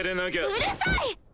うるさい！